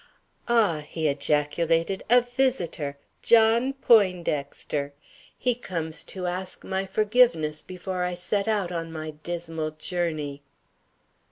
"Ah!" he ejaculated, "a visitor! John Poindexter! He comes to ask my forgiveness before I set out on my dismal journey."